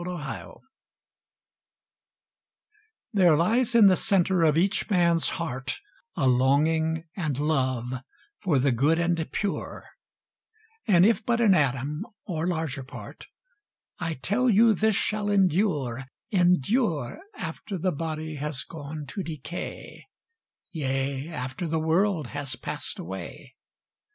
DEATHLESS. There lies in the center of each man's heart, A longing and love for the good and pure; And if but an atom, or larger part, I tell you this shall endure endure After the body has gone to decay Yea, after the world has passed away.